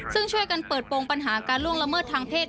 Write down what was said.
ซึ่งช่วยกันเปิดโปรงปัญหาการล่วงละเมิดทางเพศ